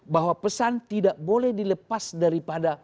bahwa pesan tidak boleh dilepas daripada